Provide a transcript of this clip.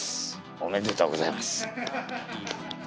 おめでとうございます。